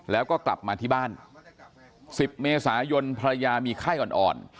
แล้วก็กลับมาที่บ้าน๑๐เมษายนภรรยามีไข้อ่อน